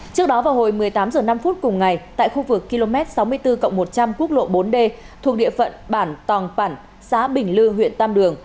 trước đó vào hồi một mươi tám h năm cùng ngày tại khu vực km sáu mươi bốn một trăm linh quốc lộ bốn d thuộc địa phận bản tòng phẳn xã bình lư huyện tam đường